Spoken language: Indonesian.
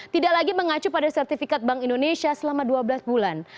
tidak lagi mengacu pada sertifikat bank indonesia selama dua belas bulan